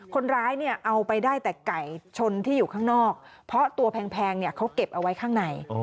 คนร้ายเนี่ยเอาไปได้แต่ไก่ชนที่อยู่ข้างนอกเพราะตัวแพงเนี่ยเขาเก็บเอาไว้ข้างใน